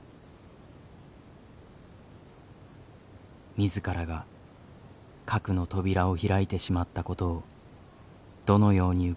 自らが核の扉を開いてしまったことをどのように受け止めていたのか。